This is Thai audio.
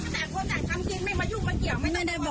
เทศเทศห้องไป